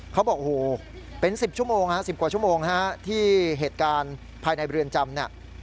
เขาบอกโอ้โฮเป็น๑๐๑๕ชั่วโมงที่เหตุการณ์ภายในเรือนจำ